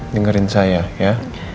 dengerin saya ya